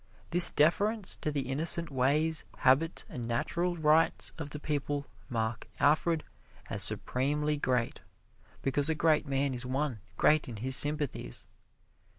This deference to the innocent ways, habits and natural rights of the people mark Alfred as supremely great, because a great man is one great in his sympathies.